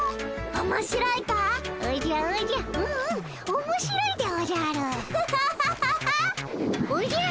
おもしろいでおじゃる。